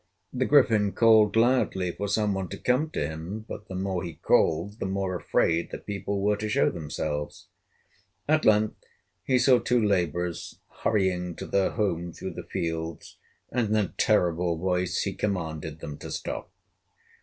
The Griffin called loudly for some one to come to him, but the more he called, the more afraid the people were to show themselves. At length he saw two laborers hurrying to their homes through the fields, and in a terrible voice he commanded them to stop.